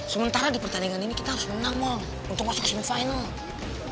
sementara di pertandingan ini kita harus menang mo untuk masuk ke semifinal